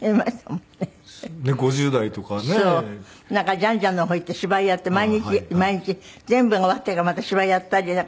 ジァン・ジァンの方へ行って芝居やって毎日全部が終わってからまた芝居やったりなんか。